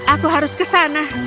aku harus kesana